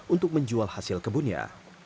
untuk menjual hasil kebunnya